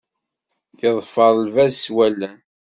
Yeḍfer lbaz s wallen.